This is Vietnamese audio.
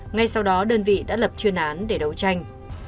ngay sau đó đơn vị đã lập chuyên án để đấu tranh